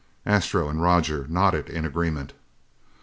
Astro and Roger nodded in agreement.